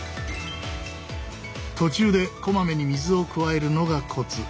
途中でこまめに水を加えるのがコツ。